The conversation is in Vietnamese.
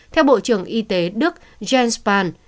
theo bộ trưởng y tế đức jens spahn